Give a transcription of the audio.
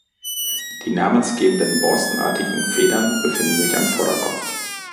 Die namensgebenden borstenartigen Federn befinden sich am Vorderkopf.